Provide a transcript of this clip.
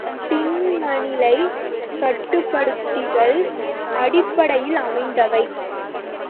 திண்மநிலைக் கட்டுப்படுத்திகள் அடிப்படையில் அமைந்தவை.